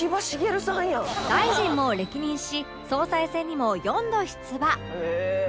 大臣も歴任し総裁選にも４度出馬